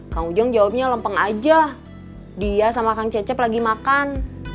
kang ujang jawabnya lempeng aja dia sama kang cecep lagi makan